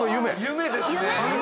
夢ですよね！